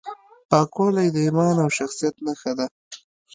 پاکوالی د ایمان او شخصیت نښه ده.